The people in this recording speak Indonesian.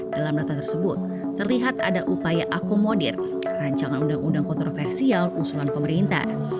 dalam data tersebut terlihat ada upaya akomodir rancangan undang undang kontroversial usulan pemerintah